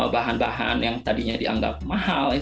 bahan bahan yang tadinya dianggap mahal